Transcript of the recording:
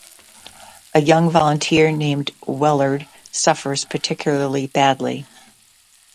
A young volunteer named Wellard suffers particularly badly.